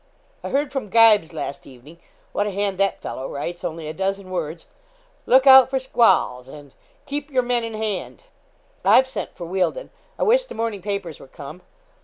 I heard from Gybes last evening what a hand that fellow writes only a dozen words "Look out for squalls," and "keep your men in hand." I've sent for Wealdon. I wish the morning papers were come.